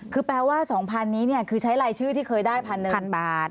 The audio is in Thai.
คือแปลว่า๒๐๐นี้คือใช้รายชื่อที่เคยได้๑๐๐๑๐๐บาท